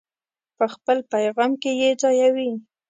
په خپل پیغام کې یې ځایوي.